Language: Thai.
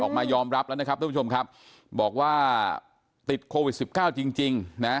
ออกมายอมรับแล้วนะครับทุกผู้ชมครับบอกว่าติดโควิดสิบเก้าจริงจริงนะ